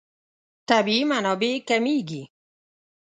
طبیعي منابع کمېږي.